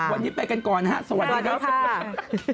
วันนี้ไปกันก่อนนะฮะสวัสดีครับ